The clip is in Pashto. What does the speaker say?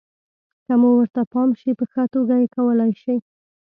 که مو ورته پام شي، په ښه توګه یې کولای شئ.